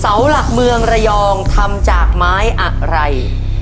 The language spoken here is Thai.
เสาหลักเมืองระยองทำจากไม้อะไร